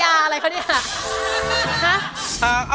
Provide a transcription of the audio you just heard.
เอาขวักมากนะครับ